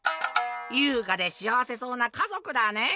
「ゆうがでしあわせそうな家族だねぇ。